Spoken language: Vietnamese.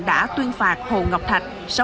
đã tuyên phạt hồ ngọc thạch